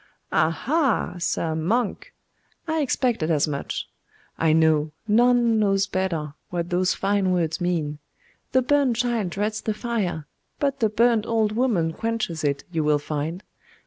'Ah ha, sir monk! I expected as much. I know, none knows better, what those fine words mean. The burnt child dreads the fire; but the burnt old woman quenches it, you will find.